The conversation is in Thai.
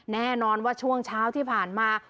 แน่นอนว่าช่วงเช้าที่ผ่านมา